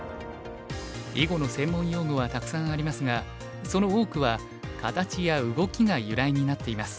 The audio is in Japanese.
囲碁の専門用語はたくさんありますがその多くは形や動きが由来になっています。